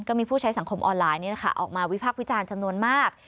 ก็มีผู้ใช้สังคมออนไลน์ออกมาวิพักษ์วิจารณ์จำนวนมาก